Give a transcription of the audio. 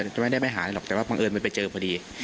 จะไม่ได้ไปหาอะไรหรอกแต่ว่าบังเอิญมันไปเจอพอดี